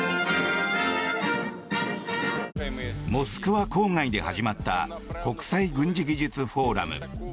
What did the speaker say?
モスクワ郊外で始まった国際軍事技術フォーラム。